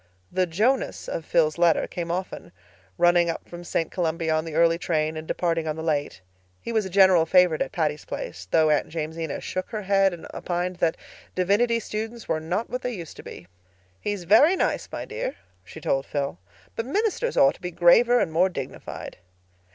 The "Jonas" of Phil's letter came often, running up from St. Columbia on the early train and departing on the late. He was a general favorite at Patty's Place, though Aunt Jamesina shook her head and opined that divinity students were not what they used to be. "He's very nice, my dear," she told Phil, "but ministers ought to be graver and more dignified."